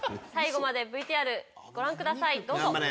最後までＶＴＲご覧くださいどうぞ。